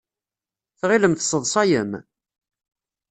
Tɣilem tesseḍsayem?